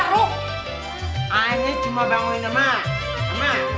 perangkan aja masuk kamar gua lu